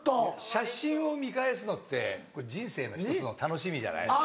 写真を見返すのって人生の１つの楽しみじゃないですか。